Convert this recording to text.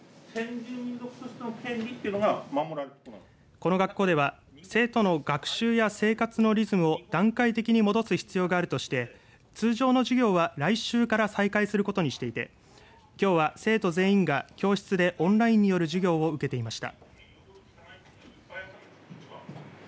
この学校では、生徒の学習や生活のリズムを段階的に戻す必要があるとして通常の授業は来週から再開することにしていてきょうは、生徒全員が教室でオンラインによる授業を受けていました。